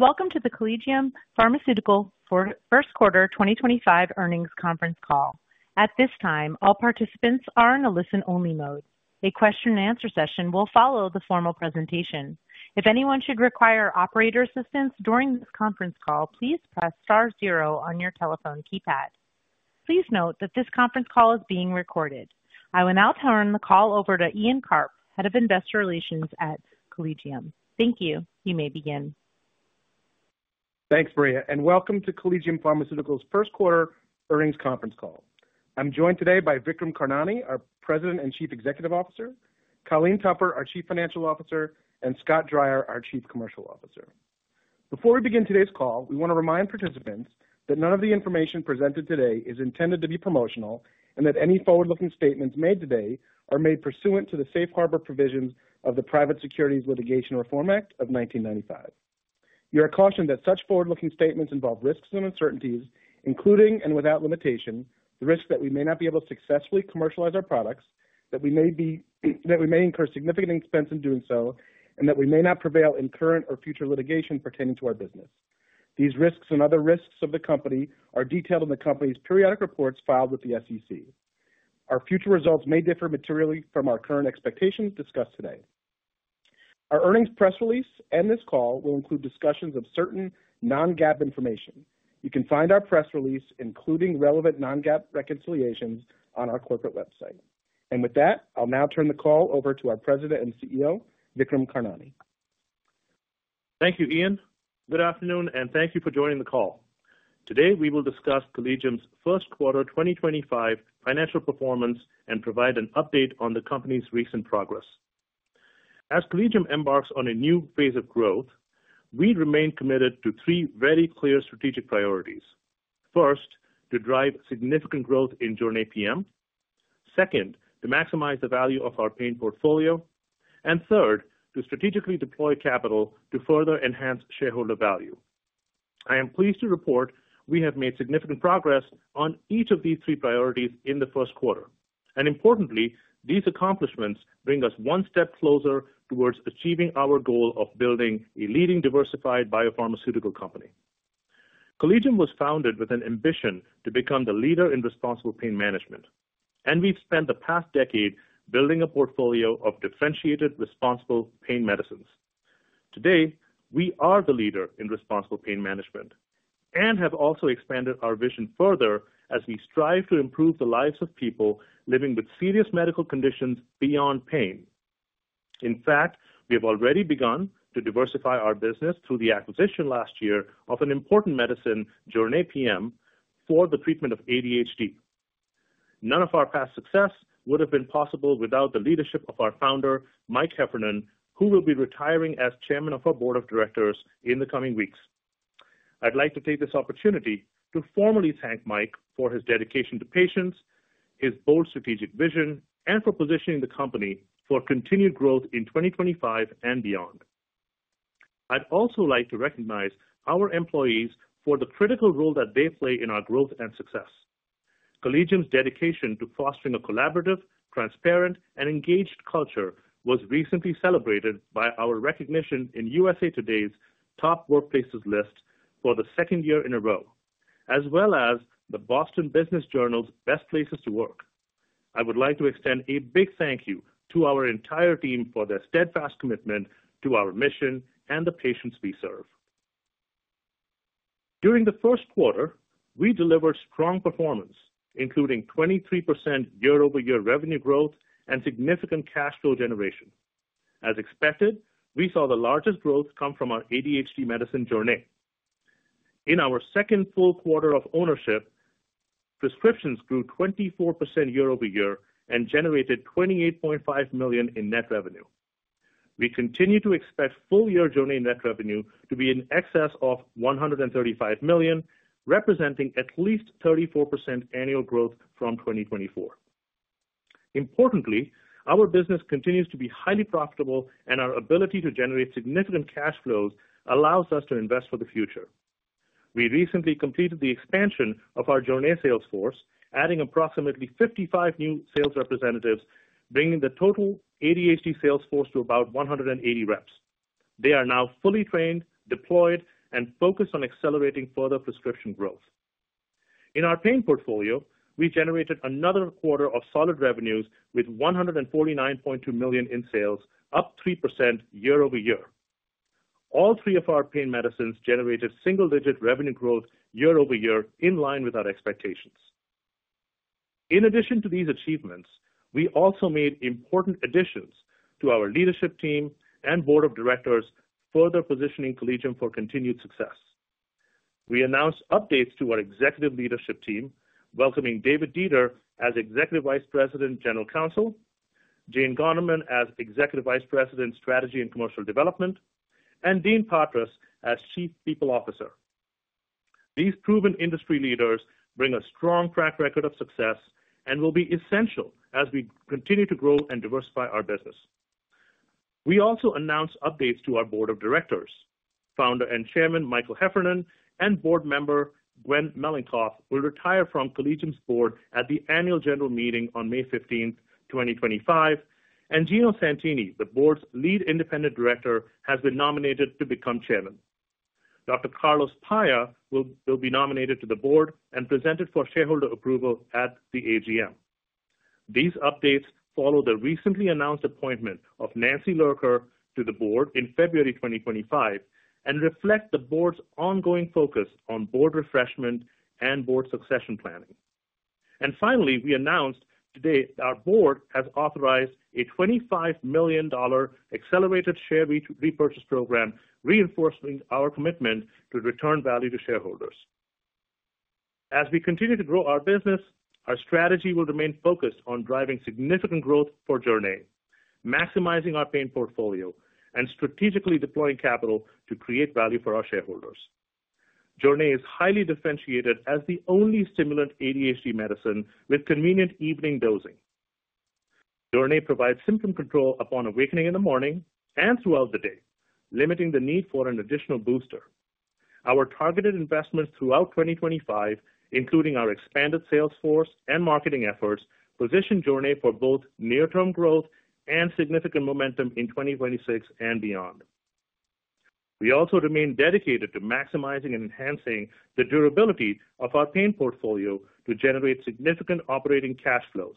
Welcome to the Collegium Pharmaceutical First Quarter 2025 Earnings Conference Call. At this time, all participants are in a listen-only mode. A question-and-answer session will follow the formal presentation. If anyone should require operator assistance during this conference call, please press star zero on your telephone keypad. Please note that this conference call is being recorded. I will now turn the call over to Ian Karp, Head of Investor Relations at Collegium. Thank you. You may begin. Thanks, Brea, and welcome to Collegium Pharmaceutical's First Quarter Earnings Conference Call. I'm joined today by Vikram Karnani, our President and Chief Executive Officer, Colleen Tupper, our Chief Financial Officer, and Scott Dreyer, our Chief Commercial Officer. Before we begin today's call, we want to remind participants that none of the information presented today is intended to be promotional and that any forward-looking statements made today are made pursuant to the safe harbor provisions of the Private Securities Litigation Reform Act of 1995. You are cautioned that such forward-looking statements involve risks and uncertainties, including and without limitation, the risk that we may not be able to successfully commercialize our products, that we may incur significant expense in doing so, and that we may not prevail in current or future litigation pertaining to our business. These risks and other risks of the company are detailed in the company's periodic reports filed with the SEC. Our future results may differ materially from our current expectations discussed today. Our earnings press release and this call will include discussions of certain non-GAAP information. You can find our press release, including relevant non-GAAP reconciliations, on our corporate website. With that, I'll now turn the call over to our President and CEO, Vikram Karnani. Thank you, Ian. Good afternoon, and thank you for joining the call. Today, we will discuss Collegium's first quarter 2025 financial performance and provide an update on the company's recent progress. As Collegium embarks on a new phase of growth, we remain committed to three very clear strategic priorities. First, to drive significant growth in Jornay PM. Second, to maximize the value of our pain portfolio. Third, to strategically deploy capital to further enhance shareholder value. I am pleased to report we have made significant progress on each of these three priorities in the first quarter. Importantly, these accomplishments bring us one step closer towards achieving our goal of building a leading diversified biopharmaceutical company. Collegium was founded with an ambition to become the leader in responsible pain management, and we've spent the past decade building a portfolio of differentiated responsible pain medicines. Today, we are the leader in responsible pain management and have also expanded our vision further as we strive to improve the lives of people living with serious medical conditions beyond pain. In fact, we have already begun to diversify our business through the acquisition last year of an important medicine, Jornay PM, for the treatment of ADHD. None of our past success would have been possible without the leadership of our founder, Michael Heffernan, who will be retiring as Chairman of our Board of Directors in the coming weeks. I'd like to take this opportunity to formally thank Michael for his dedication to patients, his bold strategic vision, and for positioning the company for continued growth in 2025 and beyond. I'd also like to recognize our employees for the critical role that they play in our growth and success. Collegium's dedication to fostering a collaborative, transparent, and engaged culture was recently celebrated by our recognition in USA Today's top workplaces list for the second year in a row, as well as the Boston Business Journal's best places to work. I would like to extend a big thank you to our entire team for their steadfast commitment to our mission and the patients we serve. During the first quarter, we delivered strong performance, including 23% year-over-year revenue growth and significant cash flow generation. As expected, we saw the largest growth come from our ADHD medicine Jornay. In our second full quarter of ownership, prescriptions grew 24% year-over-year and generated $28.5 million in net revenue. We continue to expect full-year Jornay net revenue to be in excess of $135 million, representing at least 34% annual growth from 2024. Importantly, our business continues to be highly profitable, and our ability to generate significant cash flows allows us to invest for the future. We recently completed the expansion of our Jornay sales force, adding approximately 55 new sales representatives, bringing the total ADHD sales force to about 180 reps. They are now fully trained, deployed, and focused on accelerating further prescription growth. In our pain portfolio, we generated another quarter of solid revenues with $149.2 million in sales, up 3% year-over-year. All three of our pain medicines generated single-digit revenue growth year-over-year in line with our expectations. In addition to these achievements, we also made important additions to our leadership team and board of directors, further positioning Collegium for continued success. We announced updates to our executive leadership team, welcoming David Dieter as Executive Vice President General Counsel, Jane Garnerman as Executive Vice President Strategy and Commercial Development, and Dean Patras as Chief People Officer. These proven industry leaders bring a strong track record of success and will be essential as we continue to grow and diversify our business. We also announced updates to our board of directors. Founder and Chairman Michael Heffernan and board member Gwen Mellencoef will retire from Collegium's board at the annual general meeting on May 15, 2025, and Gino Santini, the board's lead independent director, has been nominated to become chairman. Dr. Carlos Paya will be nominated to the board and presented for shareholder approval at the AGM. These updates follow the recently announced appointment of Nancy Lurker to the board in February 2025 and reflect the board's ongoing focus on board refreshment and board succession planning. Finally, we announced today that our board has authorized a $25 million accelerated share repurchase program, reinforcing our commitment to return value to shareholders. As we continue to grow our business, our strategy will remain focused on driving significant growth for Journey, maximizing our pain portfolio, and strategically deploying capital to create value for our shareholders. Jornay is highly differentiated as the only stimulant ADHD medicine with convenient evening dosing. Jornay provides symptom control upon awakening in the morning and throughout the day, limiting the need for an additional booster. Our targeted investments throughout 2025, including our expanded sales force and marketing efforts, position Jornay for both near-term growth and significant momentum in 2026 and beyond. We also remain dedicated to maximizing and enhancing the durability of our pain portfolio to generate significant operating cash flows.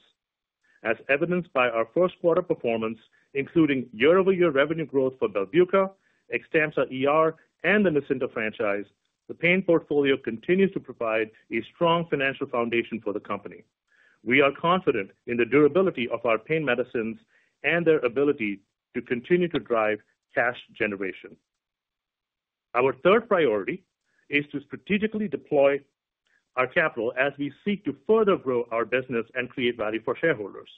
As evidenced by our first quarter performance, including year-over-year revenue growth for BELBUCA, XTAMPZA and the NUCYNTA franchise, the pain portfolio continues to provide a strong financial foundation for the company. We are confident in the durability of our pain medicines and their ability to continue to drive cash generation. Our third priority is to strategically deploy our capital as we seek to further grow our business and create value for shareholders.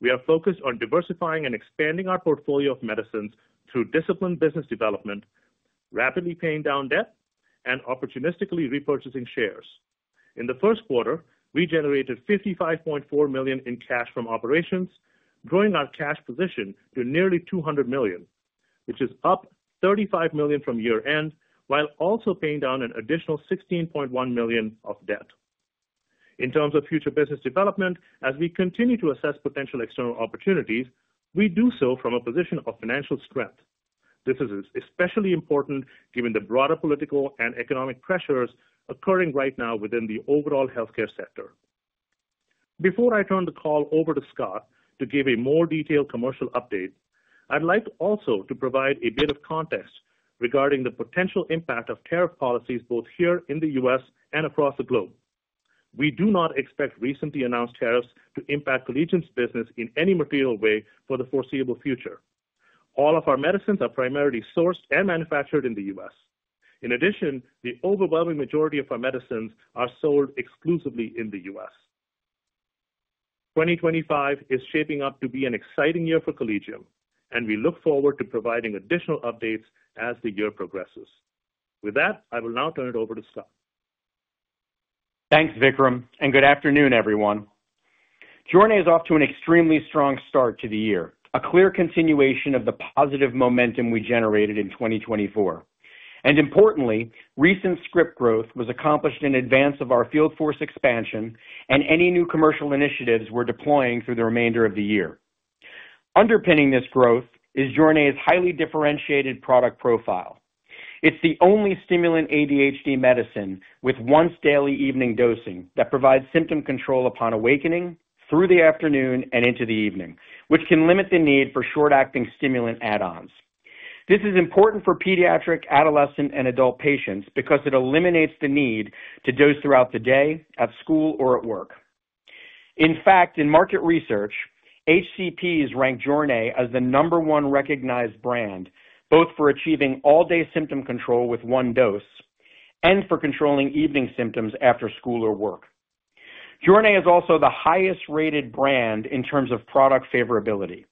We are focused on diversifying and expanding our portfolio of medicines through disciplined business development, rapidly paying down debt, and opportunistically repurchasing shares. In the first quarter, we generated $55.4 million in cash from operations, growing our cash position to nearly $200 million, which is up $35 million from year-end, while also paying down an additional $16.1 million of debt. In terms of future business development, as we continue to assess potential external opportunities, we do so from a position of financial strength. This is especially important given the broader political and economic pressures occurring right now within the overall healthcare sector. Before I turn the call over to Scott to give a more detailed commercial update, I'd like also to provide a bit of context regarding the potential impact of tariff policies both here in the U.S. and across the globe. We do not expect recently announced tariffs to impact Collegium's business in any material way for the foreseeable future. All of our medicines are primarily sourced and manufactured in the United States. In addition, the overwhelming majority of our medicines are sold exclusively in the U.S. 2025 is shaping up to be an exciting year for Collegium, and we look forward to providing additional updates as the year progresses. With that, I will now turn it over to Scott. Thanks, Vikram, and good afternoon, everyone. Jornay is off to an extremely strong start to the year, a clear continuation of the positive momentum we generated in 2024. Importantly, recent script growth was accomplished in advance of our field force expansion, and any new commercial initiatives we are deploying through the remainder of the year. Underpinning this growth is Jornay's highly differentiated product profile. It is the only stimulant ADHD medicine with once-daily evening dosing that provides symptom control upon awakening, through the afternoon, and into the evening, which can limit the need for short-acting stimulant add-ons. This is important for pediatric, adolescent, and adult patients because it eliminates the need to dose throughout the day, at school, or at work. In fact, in market research, HCPs rank Jornay as the number one recognized brand, both for achieving all-day symptom control with one dose and for controlling evening symptoms after school or work. Jornay is also the highest-rated brand in terms of product favorability.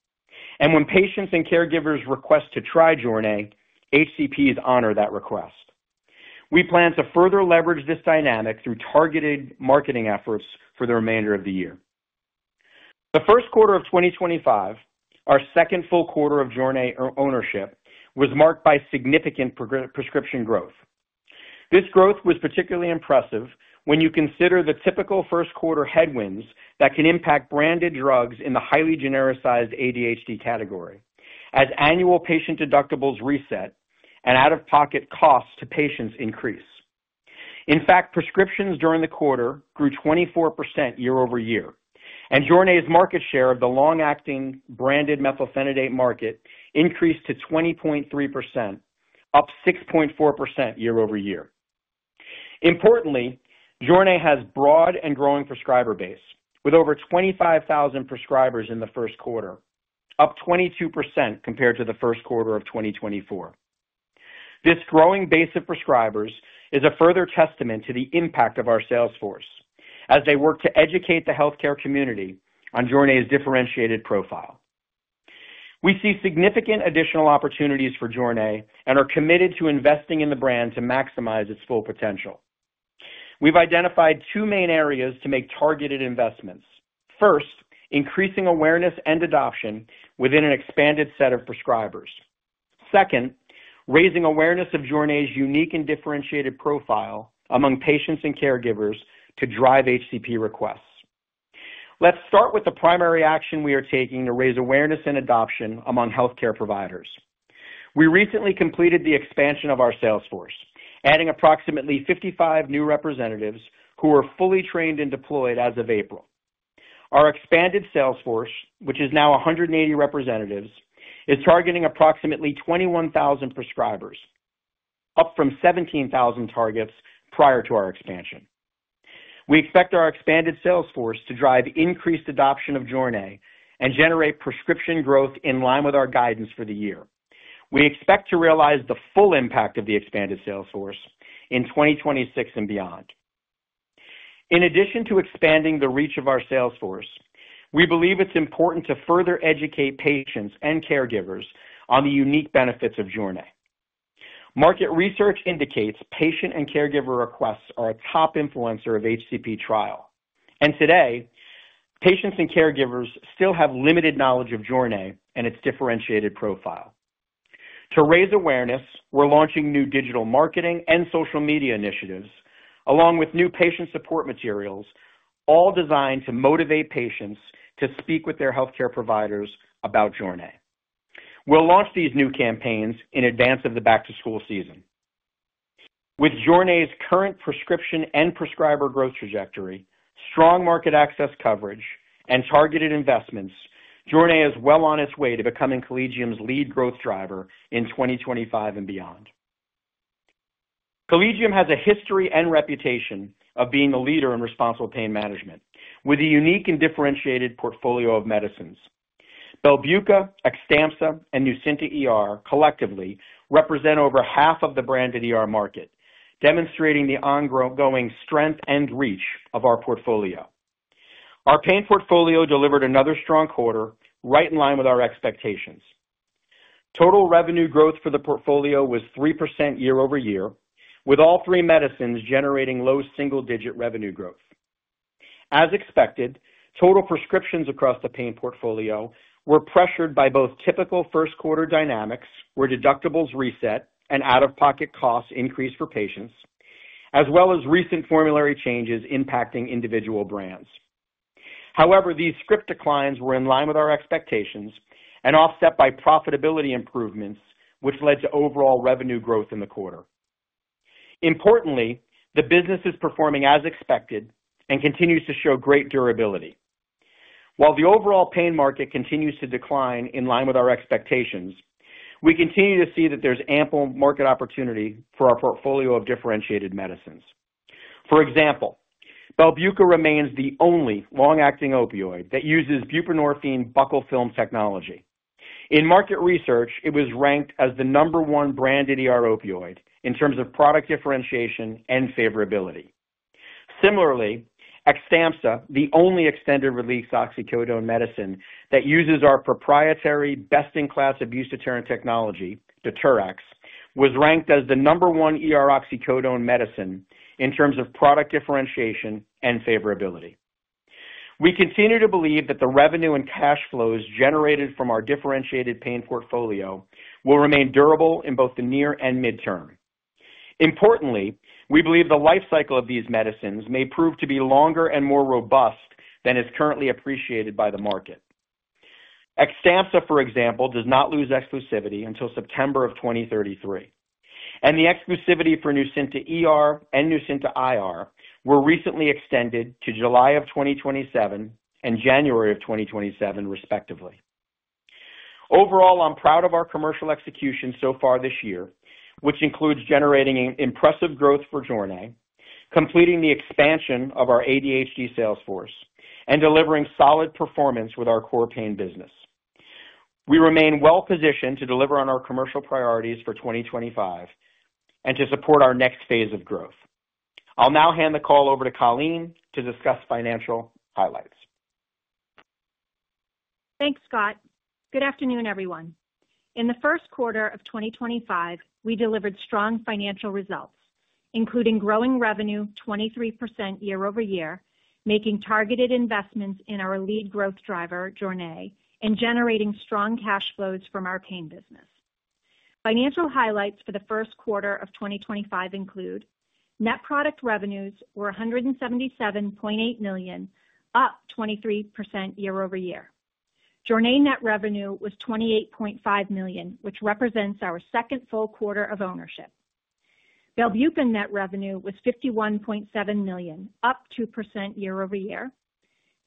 When patients and caregivers request to try Jornay, HCPs honor that request. We plan to further leverage this dynamic through targeted marketing efforts for the remainder of the year. The first quarter of 2025, our second full quarter of Jornay ownership, was marked by significant prescription growth. This growth was particularly impressive when you consider the typical first quarter headwinds that can impact branded drugs in the highly genericized ADHD category, as annual patient deductibles reset and out-of-pocket costs to patients increase. In fact, prescriptions during the quarter grew 24% year-over-year, and Jornay's market share of the long-acting branded methylphenidate market increased to 20.3%, up 6.4% year-over-year. Importantly, Jornay has a broad and growing prescriber base, with over 25,000 prescribers in the first quarter, up 22% compared to the first quarter of 2024. This growing base of prescribers is a further testament to the impact of our sales force as they work to educate the healthcare community on Jornay's differentiated profile. We see significant additional opportunities for Jornay and are committed to investing in the brand to maximize its full potential. We've identified two main areas to make targeted investments. First, increasing awareness and adoption within an expanded set of prescribers. Second, raising awareness of Jornay's unique and differentiated profile among patients and caregivers to drive HCP requests. Let's start with the primary action we are taking to raise awareness and adoption among healthcare providers. We recently completed the expansion of our sales force, adding approximately 55 new representatives who are fully trained and deployed as of April. Our expanded sales force, which is now 180 representatives, is targeting approximately 21,000 prescribers, up from 17,000 targets prior to our expansion. We expect our expanded sales force to drive increased adoption of Jornay and generate prescription growth in line with our guidance for the year. We expect to realize the full impact of the expanded sales force in 2026 and beyond. In addition to expanding the reach of our sales force, we believe it's important to further educate patients and caregivers on the unique benefits of Jornay. Market research indicates patient and caregiver requests are a top influencer of HCP trial. Today, patients and caregivers still have limited knowledge of Jornay and its differentiated profile. To raise awareness, we're launching new digital marketing and social media initiatives, along with new patient support materials, all designed to motivate patients to speak with their healthcare providers about Jornay. We'll launch these new campaigns in advance of the back-to-school season. With Jornay's current prescription and prescriber growth trajectory, strong market access coverage, and targeted investments, Jornay is well on its way to becoming Collegium's lead growth driver in 2025 and beyond. Collegium has a history and reputation of being a leader in responsible pain management, with a unique and differentiated portfolio of medicines. BELBUCA, XTAMPZA, and NUCYNTA ER collectively represent over half of the branded market, demonstrating the ongoing strength and reach of our portfolio. Our pain portfolio delivered another strong quarter, right in line with our expectations. Total revenue growth for the portfolio was 3% year-over-year, with all three medicines generating low single-digit revenue growth. As expected, total prescriptions across the pain portfolio were pressured by both typical first-quarter dynamics, where deductibles reset and out-of-pocket costs increased for patients, as well as recent formulary changes impacting individual brands. However, these script declines were in line with our expectations and offset by profitability improvements, which led to overall revenue growth in the quarter. Importantly, the business is performing as expected and continues to show great durability. While the overall pain market continues to decline in line with our expectations, we continue to see that there's ample market opportunity for our portfolio of differentiated medicines. For example, BELBUCA remains the only long-acting opioid that uses buccal film technology. In market research, it was ranked as the number one branded opioid in terms of product differentiation and favorability. Similarly, XTAMPZA, the only extended-release oxycodone medicine that uses our proprietary best-in-class abuse-deterrent technology, DETERx, was ranked as the number one oxycodone medicine in terms of product differentiation and favorability. We continue to believe that the revenue and cash flows generated from our differentiated pain portfolio will remain durable in both the near and midterm. Importantly, we believe the lifecycle of these medicines may prove to be longer and more robust than is currently appreciated by the market. XTAMPZA, for example, does not lose exclusivity until September of 2033. The exclusivity for NUCYNTA ER and NUCYNTA IR were recently extended to July of 2027 and January of 2027, respectively. Overall, I'm proud of our commercial execution so far this year, which includes generating impressive growth for Jornay, completing the expansion of our ADHD sales force, and delivering solid performance with our core pain business. We remain well-positioned to deliver on our commercial priorities for 2025 and to support our next phase of growth. I'll now hand the call over to Colleen to discuss financial highlights. Thanks, Scott. Good afternoon, everyone. In the first quarter of 2025, we delivered strong financial results, including growing revenue 23% year-over-year, making targeted investments in our lead growth driver, Jornay, and generating strong cash flows from our pain business. Financial highlights for the first quarter of 2025 include net product revenues were $177.8 million, up 23% year-over-year. Jornay net revenue was $28.5 million, which represents our second full quarter of ownership. BELBUCA net revenue was $51.7 million, up 2% year-over-year.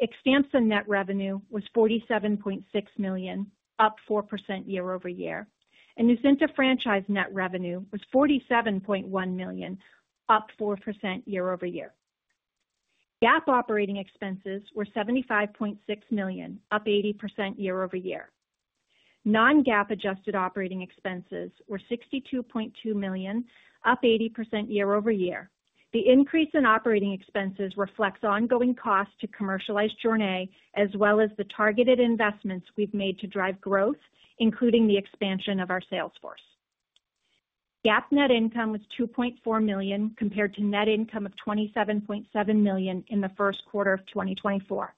XTAMPZA net revenue was $47.6 million, up 4% year-over-year. NUCYNTA franchise net revenue was $47.1 million, up 4% year-over-year. GAAP operating expenses were $75.6 million, up 80% year-over-year. Non-GAAP adjusted operating expenses were $62.2 million, up 80% year-over-year. The increase in operating expenses reflects ongoing costs to commercialize Jornay, as well as the targeted investments we've made to drive growth, including the expansion of our sales force. GAAP net income was $2.4 million compared to net income of $27.7 million in the first quarter of 2024.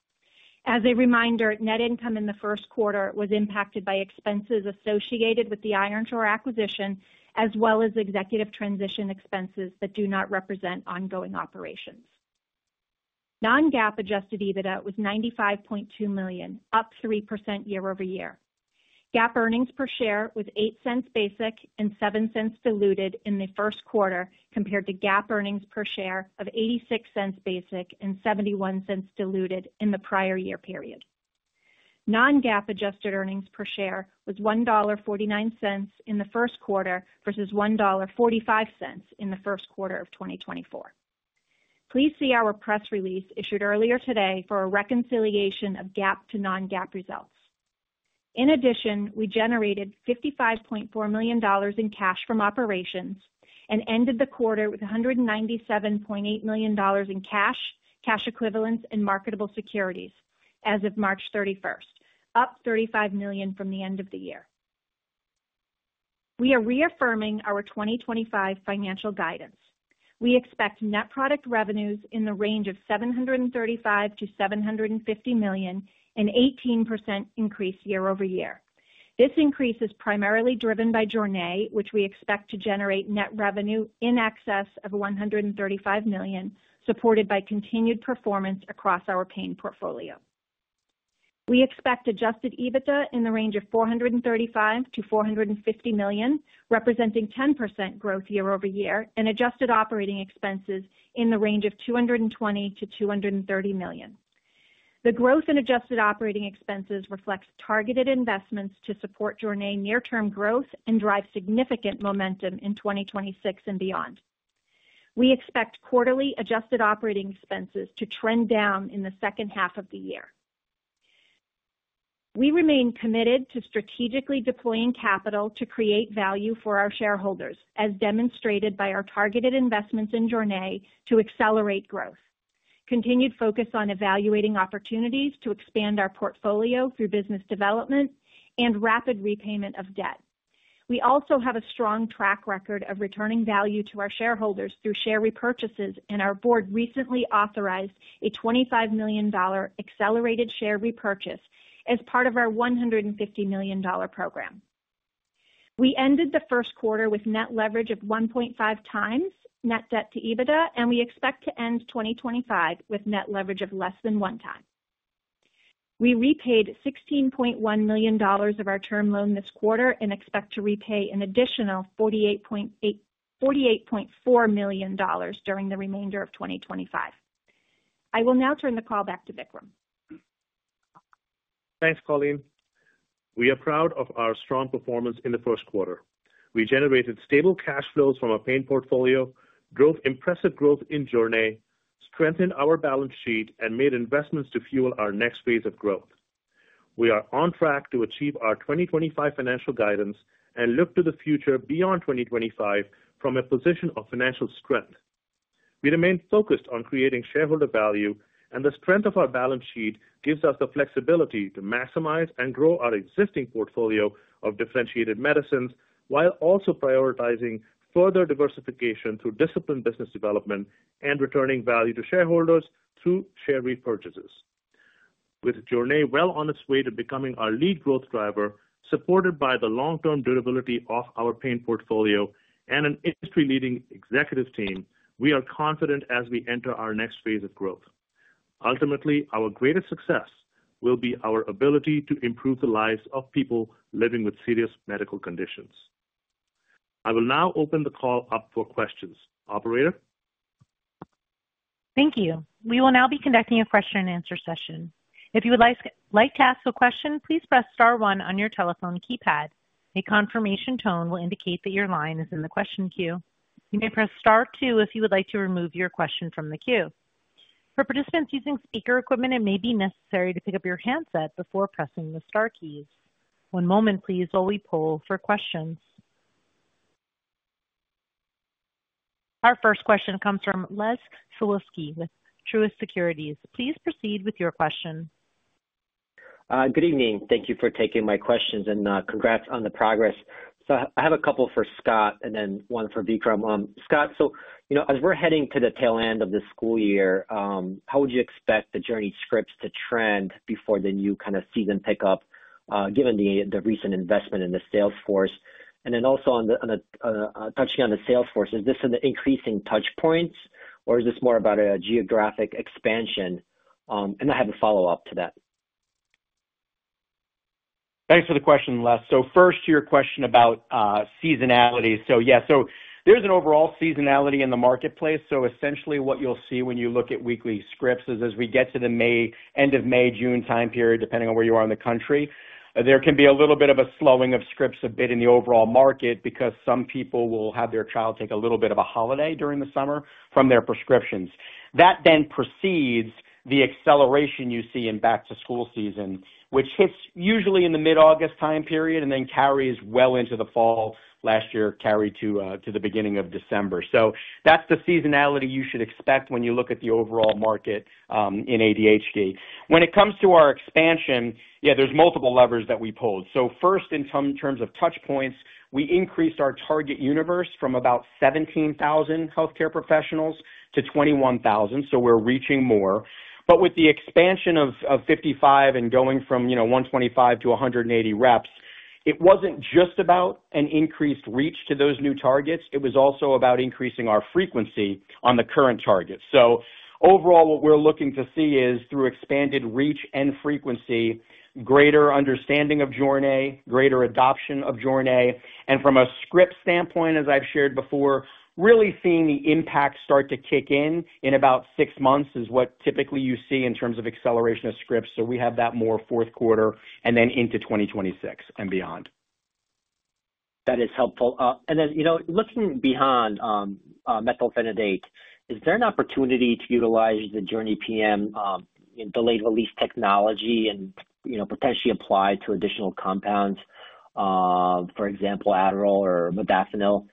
As a reminder, net income in the first quarter was impacted by expenses associated with the Ironshore acquisition, as well as executive transition expenses that do not represent ongoing operations. Non-GAAP adjusted EBITDA was $95.2 million, up 3% year-over-year. GAAP earnings per share was $0.08 basic and $0.07 diluted in the first quarter compared to GAAP earnings per share of $0.86 basic and $0.71 diluted in the prior year period. Non-GAAP adjusted earnings per share was $1.49 in the first quarter versus $1.45 in the first quarter of 2024. Please see our press release issued earlier today for a reconciliation of GAAP to non-GAAP results. In addition, we generated $55.4 million in cash from operations and ended the quarter with $197.8 million in cash, cash equivalents, and marketable securities as of March 31, up $35 million from the end of the year. We are reaffirming our 2025 financial guidance. We expect net product revenues in the range of $735 million-$750 million and 18% increase year-over-year. This increase is primarily driven by Jornay, which we expect to generate net revenue in excess of $135 million, supported by continued performance across our pain portfolio. We expect adjusted EBITDA in the range of $435 million-$450 million, representing 10% growth year-over-year, and adjusted operating expenses in the range of $220 million-$230 million. The growth in adjusted operating expenses reflects targeted investments to support Jornay near-term growth and drive significant momentum in 2026 and beyond. We expect quarterly adjusted operating expenses to trend down in the second half of the year. We remain committed to strategically deploying capital to create value for our shareholders, as demonstrated by our targeted investments in Jornay to accelerate growth, continued focus on evaluating opportunities to expand our portfolio through business development, and rapid repayment of debt. We also have a strong track record of returning value to our shareholders through share repurchases, and our board recently authorized a $25 million accelerated share repurchase as part of our $150 million program. We ended the first quarter with net leverage of 1.5 times net debt to EBITDA, and we expect to end 2025 with net leverage of less than one time. We repaid $16.1 million of our term loan this quarter and expect to repay an additional $48.4 million during the remainder of 2025. I will now turn the call back to Vikram. Thanks, Colleen. We are proud of our strong performance in the first quarter. We generated stable cash flows from our pain portfolio, drove impressive growth in Jornay, strengthened our balance sheet, and made investments to fuel our next phase of growth. We are on track to achieve our 2025 financial guidance and look to the future beyond 2025 from a position of financial strength. We remain focused on creating shareholder value, and the strength of our balance sheet gives us the flexibility to maximize and grow our existing portfolio of differentiated medicines while also prioritizing further diversification through disciplined business development and returning value to shareholders through share repurchases. With Jornay well on its way to becoming our lead growth driver, supported by the long-term durability of our pain portfolio and an industry-leading executive team, we are confident as we enter our next phase of growth. Ultimately, our greatest success will be our ability to improve the lives of people living with serious medical conditions. I will now open the call up for questions. Operator. Thank you. We will now be conducting a question-and-answer session. If you would like to ask a question, please press star one on your telephone keypad. A confirmation tone will indicate that your line is in the question queue. You may press star two if you would like to remove your question from the queue. For participants using speaker equipment, it may be necessary to pick up your handset before pressing the star keys. One moment, please, while we poll for questions. Our first question comes from Les Sawulski with Truist Securities. Please proceed with your question. Good evening. Thank you for taking my questions and congrats on the progress. I have a couple for Scott and then one for Vikram. Scott, as we're heading to the tail end of the school year, how would you expect the Jornay scripts to trend before the new kind of season pick up, given the recent investment in the sales force? Also, touching on the sales force, is this an increasing touch point, or is this more about a geographic expansion? I have a follow-up to that. Thanks for the question, Les. So first, your question about seasonality. So yeah, so there's an overall seasonality in the marketplace. So essentially, what you'll see when you look at weekly scripts is as we get to the end of May, June time period, depending on where you are in the country, there can be a little bit of a slowing of scripts a bit in the overall market because some people will have their child take a little bit of a holiday during the summer from their prescriptions. That then precedes the acceleration you see in back-to-school season, which hits usually in the mid-August time period and then carries well into the fall. Last year, carried to the beginning of December. So that's the seasonality you should expect when you look at the overall market in ADHD. When it comes to our expansion, yeah, there are multiple levers that we pulled. First, in terms of touch points, we increased our target universe from about 17,000 healthcare professionals to 21,000. We are reaching more. With the expansion of 55 and going from 125-180 reps, it was not just about an increased reach to those new targets. It was also about increasing our frequency on the current target. Overall, what we are looking to see is, through expanded reach and frequency, greater understanding of Journay, greater adoption of Journay. From a script standpoint, as I have shared before, really seeing the impact start to kick in in about six months is what typically you see in terms of acceleration of scripts. We have that more fourth quarter and then into 2026 and beyond. That is helpful. Then looking beyond methylphenidate, is there an opportunity to utilize the Jornay PM delayed-release technology and potentially apply to additional compounds, for example, Adderall or modafinil?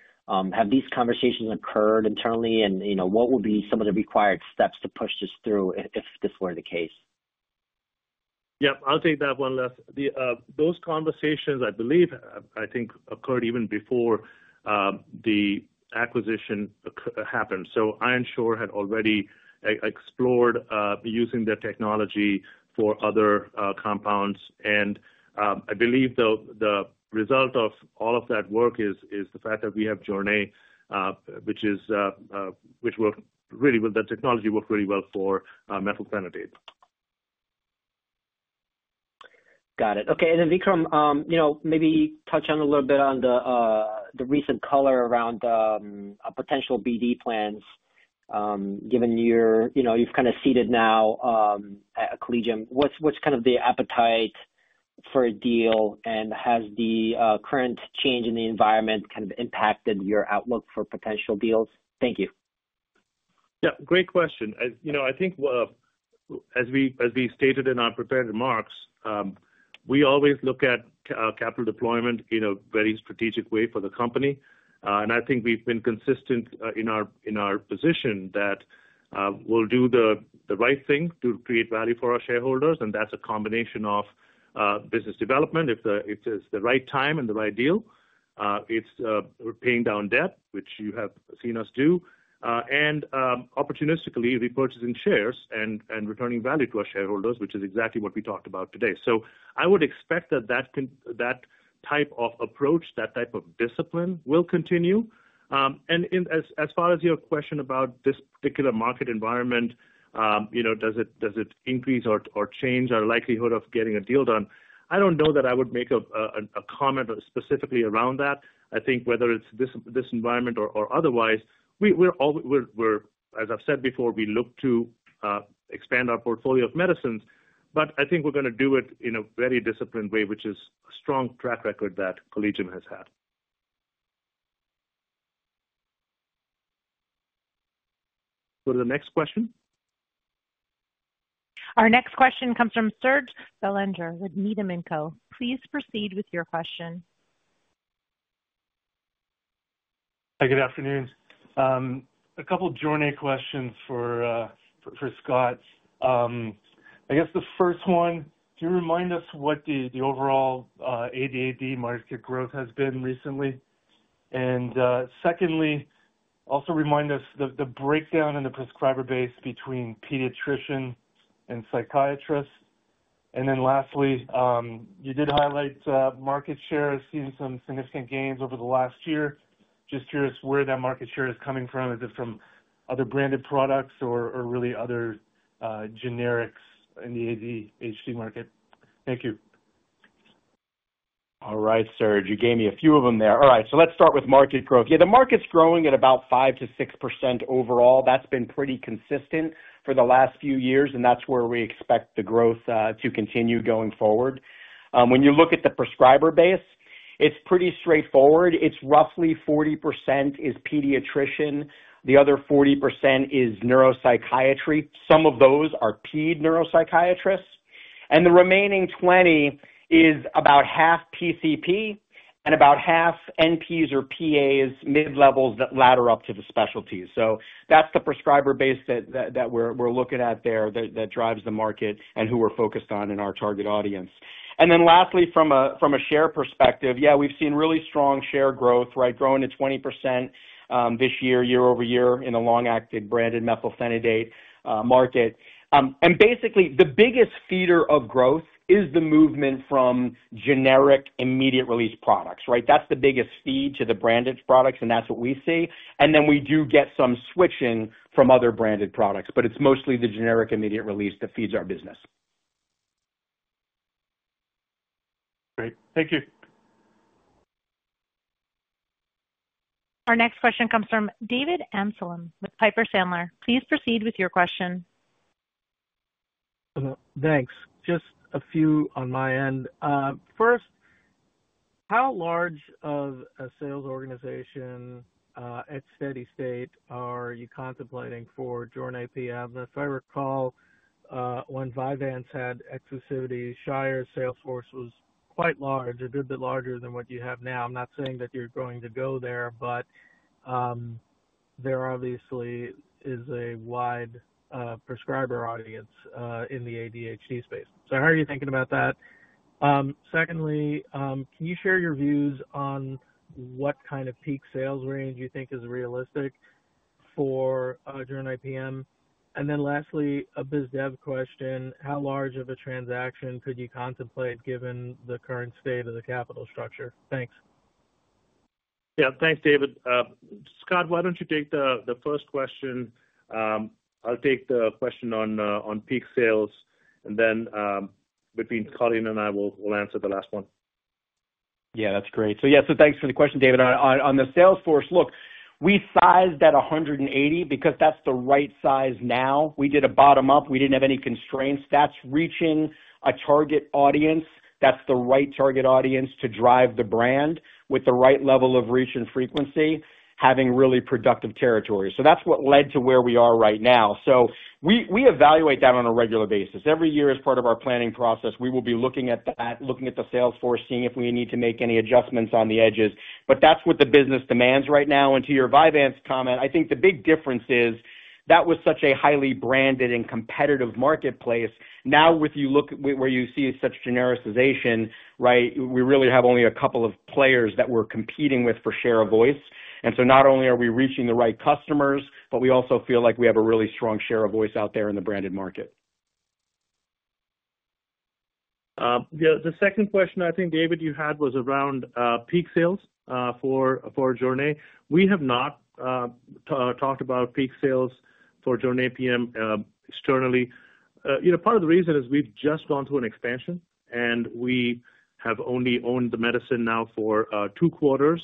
Have these conversations occurred internally, and what would be some of the required steps to push this through if this were the case? Yep. I'll take that one, Les. Those conversations, I believe, I think occurred even before the acquisition happened. Ironshore had already explored using their technology for other compounds. I believe the result of all of that work is the fact that we have Jornay, which really will—the technology works really well for methylphenidate. Got it. Okay. And then Vikram, maybe touch on a little bit on the recent color around potential BD plans, given you've kind of seated now at Collegium. What's kind of the appetite for a deal, and has the current change in the environment kind of impacted your outlook for potential deals? Thank you. Yeah. Great question. I think, as we stated in our prepared remarks, we always look at capital deployment in a very strategic way for the company. I think we've been consistent in our position that we'll do the right thing to create value for our shareholders. That's a combination of business development, if it's the right time and the right deal. It's paying down debt, which you have seen us do, and opportunistically repurchasing shares and returning value to our shareholders, which is exactly what we talked about today. I would expect that that type of approach, that type of discipline will continue. As far as your question about this particular market environment, does it increase or change our likelihood of getting a deal done? I don't know that I would make a comment specifically around that. I think whether it's this environment or otherwise, as I've said before, we look to expand our portfolio of medicines, but I think we're going to do it in a very disciplined way, which is a strong track record that Collegium has had. Go to the next question. Our next question comes from Serge Belanger, with Needham & Co. Please proceed with your question. Hi, good afternoon. A couple of Jornay questions for Scott. I guess the first one, do you remind us what the overall ADHD market growth has been recently? Secondly, also remind us the breakdown in the prescriber base between pediatrician and psychiatrist. Lastly, you did highlight market share has seen some significant gains over the last year. Just curious where that market share is coming from. Is it from other branded products or really other generics in the ADHD market? Thank you. All right, Serge. You gave me a few of them there. All right. Let's start with market growth. Yeah, the market's growing at about 5-6% overall. That's been pretty consistent for the last few years, and that's where we expect the growth to continue going forward. When you look at the prescriber base, it's pretty straightforward. It's roughly 40% is pediatrician. The other 40% is neuropsychiatry. Some of those are Ped Neuropsychiatrists. The remaining 20% is about half PCP and about half NPs or PAs, mid-levels that ladder up to the specialties. That's the prescriber base that we're looking at there that drives the market and who we're focused on in our target audience. Lastly, from a share perspective, yeah, we've seen really strong share growth, right, growing at 20% this year, year-over-year in the long-acting branded methylphenidate market. Basically, the biggest feeder of growth is the movement from generic immediate-release products, right? That is the biggest feed to the branded products, and that is what we see. We do get some switching from other branded products, but it is mostly the generic immediate release that feeds our business. Great. Thank you. Our next question comes from David Anselin with Piper Sandler. Please proceed with your question. Thanks. Just a few on my end. First, how large of a sales organization at steady state are you contemplating for Jornay PM? I recall when Vyvanse had exclusivity, Shire's sales force was quite large, a good bit larger than what you have now. I'm not saying that you're going to go there, but there obviously is a wide prescriber audience in the ADHD space. How are you thinking about that? Secondly, can you share your views on what kind of peak sales range you think is realistic for Jornay PM? Lastly, a biz dev question. How large of a transaction could you contemplate given the current state of the capital structure? Thanks. Yeah. Thanks, David. Scott, why don't you take the first question? I'll take the question on peak sales, and then between Colleen and I, we'll answer the last one. Yeah, that's great. Yeah, thanks for the question, David. On the sales force, look, we sized at 180 because that's the right size now. We did a bottom-up. We did not have any constraints. That's reaching a target audience. That's the right target audience to drive the brand with the right level of reach and frequency, having really productive territory. That's what led to where we are right now. We evaluate that on a regular basis. Every year, as part of our planning process, we will be looking at that, looking at the sales force, seeing if we need to make any adjustments on the edges. That's what the business demands right now. To your Vyvanse comment, I think the big difference is that was such a highly branded and competitive marketplace. Now, if you look where you see such genericization, right, we really have only a couple of players that we're competing with for share of voice. And so not only are we reaching the right customers, but we also feel like we have a really strong share of voice out there in the branded market. Yeah. The second question I think, David, you had was around peak sales for Journay. We have not talked about peak sales for Jornay PM externally. Part of the reason is we've just gone through an expansion, and we have only owned the medicine now for two quarters.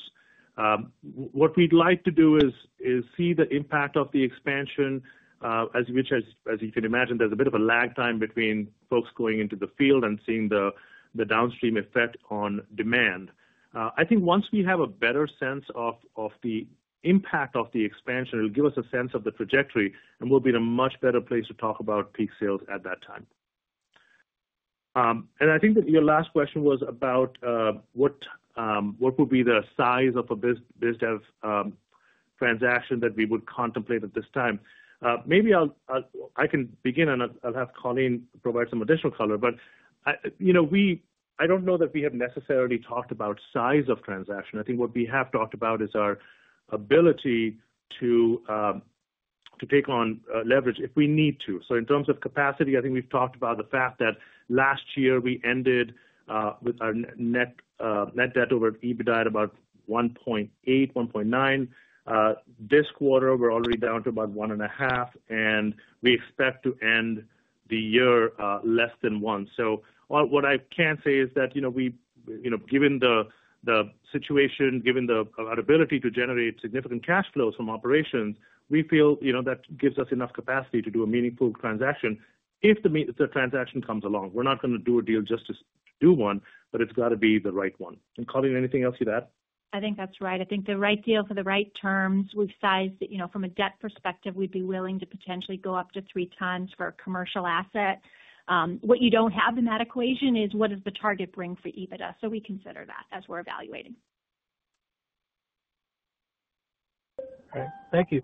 What we'd like to do is see the impact of the expansion, as you can imagine, there's a bit of a lag time between folks going into the field and seeing the downstream effect on demand. I think once we have a better sense of the impact of the expansion, it'll give us a sense of the trajectory, and we'll be in a much better place to talk about peak sales at that time. I think that your last question was about what would be the size of a biz dev transaction that we would contemplate at this time. Maybe I can begin, and I'll have Colleen provide some additional color, but I don't know that we have necessarily talked about size of transaction. I think what we have talked about is our ability to take on leverage if we need to. In terms of capacity, I think we've talked about the fact that last year we ended with our net debt over EBITDA at about 1.8-1.9. This quarter, we're already down to about 1.5, and we expect to end the year less than 1. What I can say is that given the situation, given our ability to generate significant cash flows from operations, we feel that gives us enough capacity to do a meaningful transaction if the transaction comes along. We're not going to do a deal just to do one, but it's got to be the right one. Colleen, anything else you'd add? I think that's right. I think the right deal for the right terms. We've sized it. From a debt perspective, we'd be willing to potentially go up to three times for a commercial asset. What you don't have in that equation is what does the target bring for EBITDA. So we consider that as we're evaluating. All right. Thank you.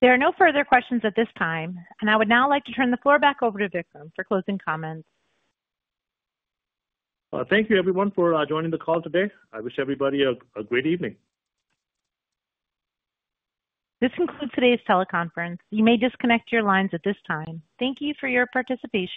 There are no further questions at this time. I would now like to turn the floor back over to Vikram for closing comments. Thank you, everyone, for joining the call today. I wish everybody a great evening. This concludes today's teleconference. You may disconnect your lines at this time. Thank you for your participation.